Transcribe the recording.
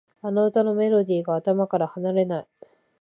あの歌のメロディーが頭から離れない